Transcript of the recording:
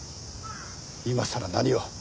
今さら何を。